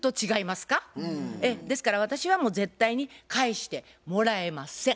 ですから私はもう絶対に返してもらえません。